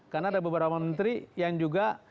karena ada beberapa menteri yang juga